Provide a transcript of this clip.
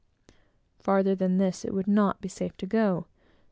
Farther than this, it would not be safe to go.